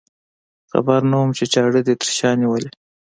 خبر نه وم چې چاړه دې تر شا نیولې.